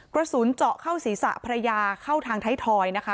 กระสุนเจาะเข้าศีรษะภรรยาเข้าทางไทยทอยนะคะ